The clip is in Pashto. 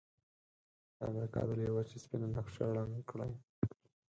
د امریکا د لویې وچې سپینه نقشه رنګ کړئ.